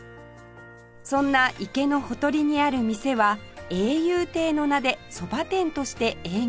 そんな池のほとりにある店は「泳遊亭」の名でそば店として営業を開始